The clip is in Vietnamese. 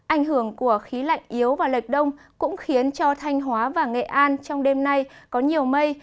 ảnh hưởng của khí lạnh yếu và lệch đông cũng khiến cho thanh hóa và nghệ an trong đêm nay có nhiều mây